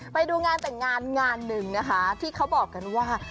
ไปดูงานแต่งงานงานหนึ่งนะคะที่เขาบอกกันว่า